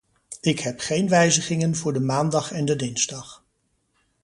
Ik heb geen wijzigingen voor de maandag en de dinsdag.